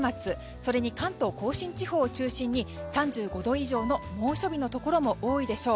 それに関東・甲信地方を中心に３５度以上の猛暑日のところも多いでしょう。